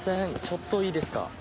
ちょっといいですか？